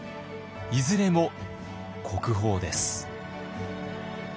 いずれも国宝です。